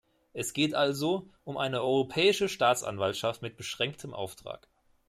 Es geht also um eine europäische Staatsanwaltschaft mit beschränktem Auftrag.